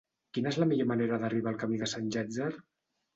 Quina és la millor manera d'arribar al camí de Sant Llàtzer?